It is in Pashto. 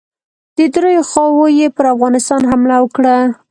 د دریو خواوو یې پر افغانستان حمله وکړه.